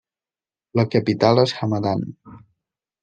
La capital és Hamadan.